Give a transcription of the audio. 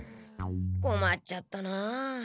こまっちゃったなあ。